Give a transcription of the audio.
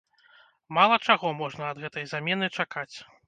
Мала чаго можна ад гэтай замены чакаць.